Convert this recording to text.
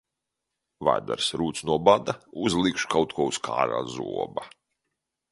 Vēders rūc no bada, uzlikšu kaut ko uz kārā zoba.